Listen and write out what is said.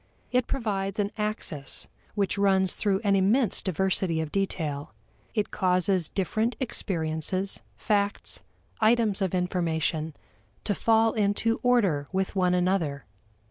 It provides an axis which runs through an immense diversity of detail; it causes different experiences, facts, items of information to fall into order with one another.